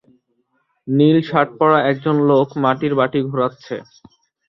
নীল shirt পরা একজন লোক মাটির বাটি ঘোরাচ্ছে